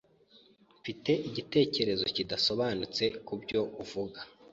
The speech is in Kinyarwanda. Mfite igitekerezo kidasobanutse kubyo uvuga.